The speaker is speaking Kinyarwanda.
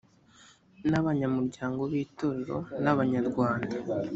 ni abanyamuryango b itorero n abanyarwanda